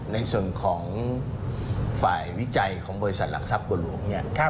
ในส่วนของฝ่ายวิจัยของบริษัทหลักทรัพย์บัวหลวงเนี่ย